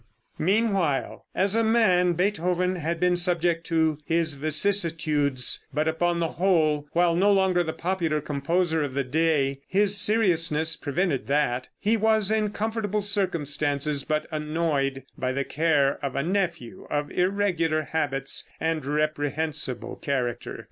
] Meanwhile, as a man Beethoven had been subject to his vicissitudes, but upon the whole, while no longer the popular composer of the day (his seriousness prevented that) he was in comfortable circumstances, but annoyed by the care of a nephew of irregular habits and reprehensible character.